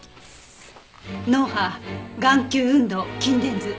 脳波眼球運動筋電図。